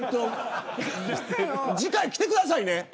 次回、来てくださいね。